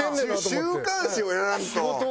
週刊誌をやらんと。